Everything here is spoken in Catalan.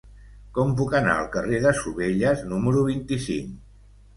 Com puc anar al carrer de Sovelles número vint-i-cinc?